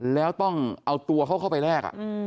แล้วต้องเอาตัวเขาเข้าไปแลก